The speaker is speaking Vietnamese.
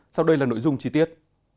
sau đây là nội dung chi tiết